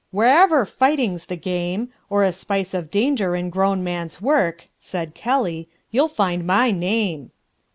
"Wherever fighting's the game, Or a spice of danger in grown man's work," Said Kelly, "you'll find my name."